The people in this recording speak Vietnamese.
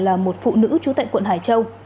là một phụ nữ chú tại quận hải châu